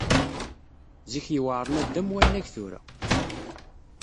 Zik yewɛeṛ naddam wannag tura!